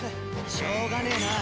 しょうがねえなあ。